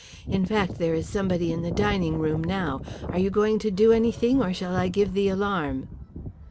In fact, there is somebody in the dining room now. Are you going to do anything, or shall I give the alarm?"